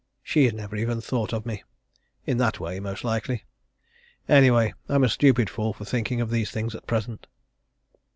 "She's never even thought of me in that way, most likely! Anyway, I'm a stupid fool for thinking of these things at present."